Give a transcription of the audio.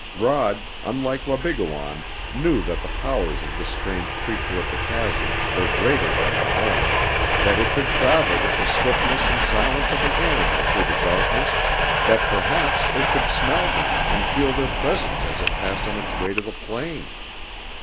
Rod, unlike Wabigoon, knew that the powers of this strange creature of the chasm were greater than their own, that it could travel with the swiftness and silence of an animal through the darkness, that perhaps it could smell them and feel their presence as it passed on its way to the plain.